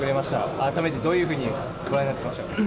改めてどういうふうにご覧になってましたか。